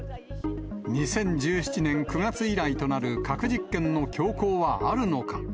２０１７年９月以来となる核実験の強行はあるのか。